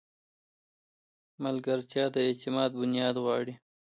ملګرتیا د اعتماد بنیاد غواړي.